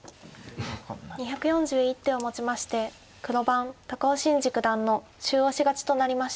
２４１手をもちまして黒番高尾紳路九段の中押し勝ちとなりました。